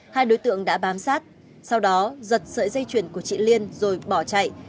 hai đối tượng đã bám sát sau đó giật sợi dây chuyền của chị liên rồi bỏ chạy